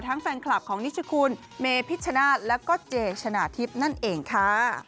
แฟนคลับของนิชคุณเมพิชชนาธิ์แล้วก็เจชนะทิพย์นั่นเองค่ะ